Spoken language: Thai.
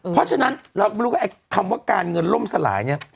เพราะฉะนั้นเราก็ไม่รู้ว่าไอ้คำว่าการเงินล่มสลายเนี่ย